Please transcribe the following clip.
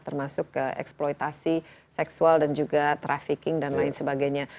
termasuk eksploitasi seksual dan juga trafficking dan lain sebagainya